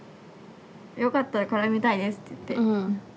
「よかったら絡みたいです」って言ってそ